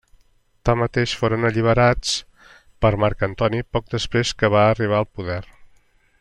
Tanmateix, foren alliberats per Marc Antoni poc després que va arribar al poder.